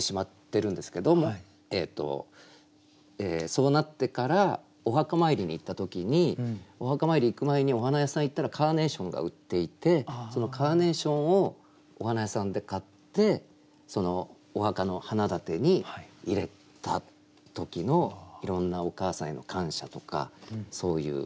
そうなってからお墓参りに行った時にお墓参り行く前にお花屋さん行ったらカーネーションが売っていてそのカーネーションをお花屋さんで買ってお墓の花立てに入れた時のいろんなお母さんへの感謝とかそういう気持ちをうたったものです。